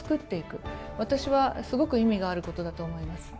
私はすごく意味があることだと思います。